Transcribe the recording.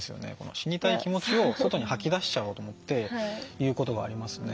死にたい気持ちを外に吐き出しちゃおうと思って言うことがありますね。